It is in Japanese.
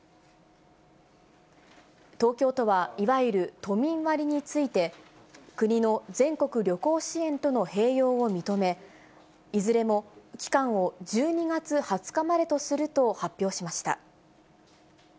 東京都はいわゆる都民割について、国の全国旅行支援との併用を認め、いずれも期間を１２月２０日までとすると発表しました。